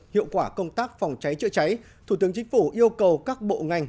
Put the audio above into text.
hiệu quả công tác phòng cháy chữa cháy thủ tướng chính phủ yêu cầu các bộ ngành